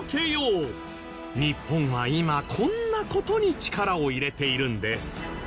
日本は今こんな事に力を入れているんです